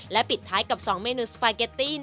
ปิดท้ายกับ๒เมนูสปาเกตตี้